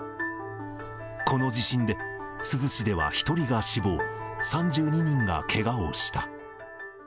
この地震で、珠洲市では１人が死亡、３２人がけがをした。